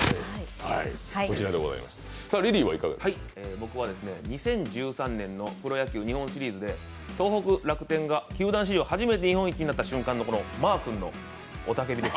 僕は２０１３年のプロ野球、日本シリーズで東北楽天が球団史上初めて日本一になった瞬間のマー君の雄たけびです。